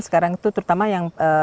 sekarang itu terutama yang